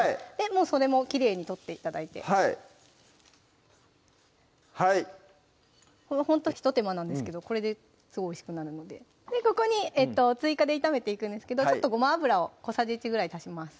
もうそれもきれいに取って頂いてほんと一手間なんですけどこれですごいおいしくなるのでここに追加で炒めていくんですけどごま油を小さじ１ぐらい足します